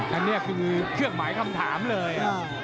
อันนี้คือเชื่องหมายคำถามเลย